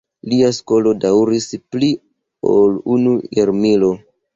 Lia skolo daŭris pli ol unu jarmilo.